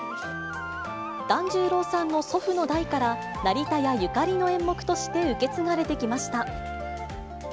團十郎さんの祖父の代から、成田屋ゆかりの演目として受け継がれてきました。